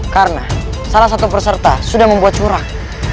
karena salah satu peserta sudah membuat curang